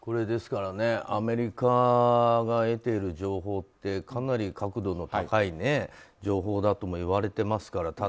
ですから、アメリカが得ている情報ってかなり確度の高い情報だともいわれていますから。